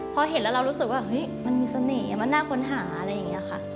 พอเห็นแล้วเรารู้สึกว่าเฮ้ยมันมีเสน่ห์มันน่าค้นหาอะไรอย่างนี้ค่ะ